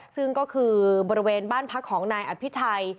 ซึ่งก็คือบริเวณบ้านพักของนายอภิชัย